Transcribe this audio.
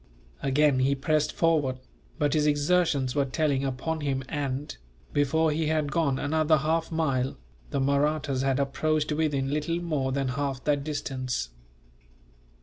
Again he pressed forward, but his exertions were telling upon him and, before he had gone another half mile, the Mahrattas had approached within little more than half that distance.